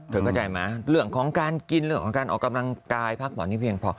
เธอเข้าใจไหมเรื่องของการกินเรื่องของการออกกำลังกาย